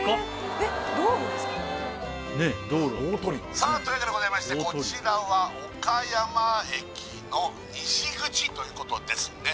さあというわけでございましてこちらは岡山駅の西口ということですね